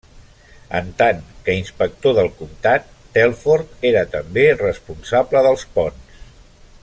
En tant que inspector del comtat, Telford era també responsable dels ponts.